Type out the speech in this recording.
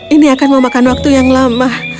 ini akan memakan waktu yang lama